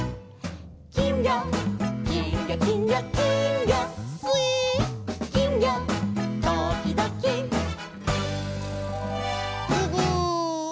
「きんぎょきんぎょきんぎょきんぎょ」「すいっ」「きんぎょときどき」「ふぐ！」